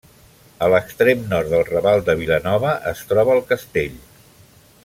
A l'extrem nord del raval de Vilanova es troba el castell.